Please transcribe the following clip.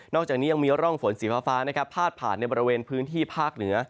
อกจากนี้ยังมีร่องฝนสีฟ้านะครับพาดผ่านในบริเวณพื้นที่ภาคเหนือ